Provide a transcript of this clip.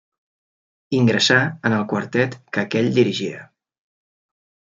Ingressà en el quartet que aquell dirigia.